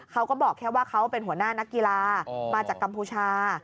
เขาก็บอกแค่ว่าเขาเป็นหัวหน้านักกีฬามาจากกัมพูชา